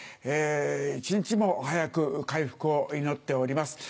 一日も早く回復を祈っております。